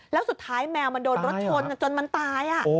แล้วสุดท้ายแมวมันโดนรถชนจนมันตาย